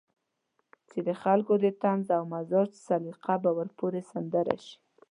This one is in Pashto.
چې د خلکو د طنز او مزاح سليقه به ورپورې سندره شي.